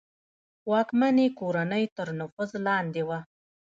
واکمنې کورنۍ تر نفوذ لاندې وه.